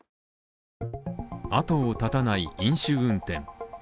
後を絶たない飲酒運転